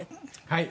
はい。